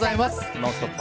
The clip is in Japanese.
「ノンストップ！」